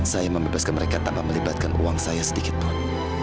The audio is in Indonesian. saya membebaskan mereka tanpa melibatkan uang saya sedikitpun